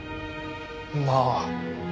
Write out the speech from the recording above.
まあ。